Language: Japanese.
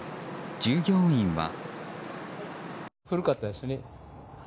従業員は。